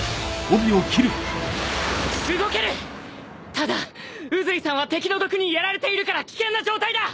ただ宇髄さんは敵の毒にやられているから危険な状態だ！